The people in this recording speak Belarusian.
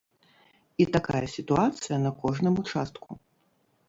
І такая сітуацыя на кожным участку.